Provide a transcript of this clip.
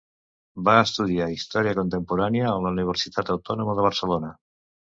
Va estudiar Història Contemporània a la Universitat Autònoma de Barcelona.